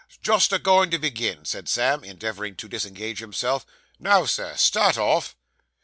'Just a goin' to begin,' said Sam, endeavouring to disengage himself. 'Now, Sir, start off!